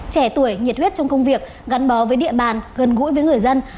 trẻ tuổi nhiệt huyết trong công việc gắn bó với địa bàn gần gũi với người dân